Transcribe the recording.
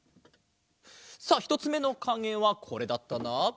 さあひとつめのかげはこれだったな。